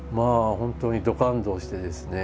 本当にど感動してですね